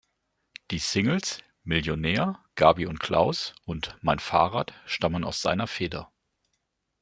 Die Singles „Millionär“, „Gabi und Klaus“ und „Mein Fahrrad“ stammen aus seiner Feder.